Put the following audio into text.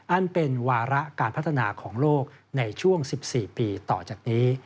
อันเป็นวาระการพัฒนาของโลกในช่วง๑๔ปีต่อจากนี้